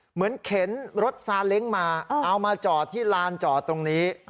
เข็นรถซาเล้งมาเอามาจอดที่ลานจอดตรงนี้